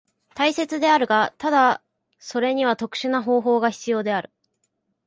大切であるが、ただそれには特殊な方法が必要である。